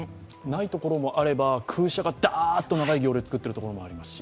ないところもあれば、空車がダーッと長い行列を作っているところもありますし。